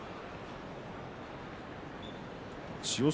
千代翔